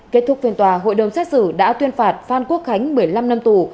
kết thúc phiên tòa hội đồng xét xử đã tuyên phạt phan quốc khánh một mươi năm năm tù